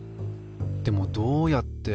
でもどうやって。